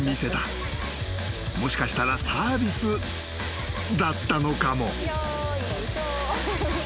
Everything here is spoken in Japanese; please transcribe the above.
［もしかしたらサービスだったのかも］